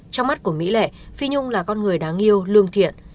trong mắt của mỹ lệ phi nhung là con người đáng yêu lương thiện